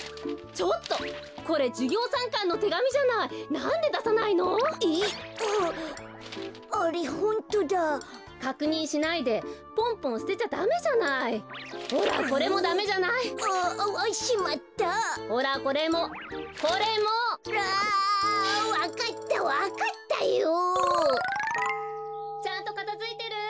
・ちゃんとかたづいてる？